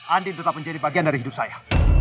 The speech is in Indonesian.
andi tetap menjadi bagian dari hidup saya